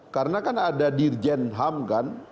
karena kan ada dirjen ham kan